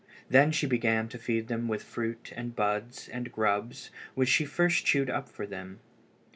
Then she began to feed them with fruit and buds and grubs, which she first chewed for them.